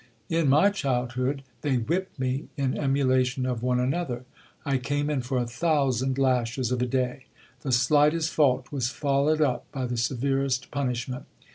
In my childhood, they whipped me in emulation of one another ; I came in for a thousand lashes of a day ! The slightest fault was followed up by the severest punishment.